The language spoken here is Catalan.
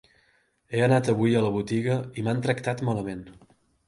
He anat avui a la botiga i m'han tractat malament.